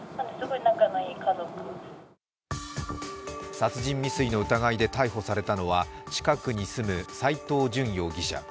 殺人未遂の疑いで逮捕されたのは近くに住む斉藤淳容疑者。